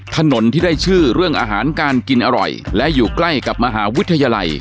ถนนที่ได้ชื่อเรื่องอาหารการกินอร่อยและอยู่ใกล้กับมหาวิทยาลัย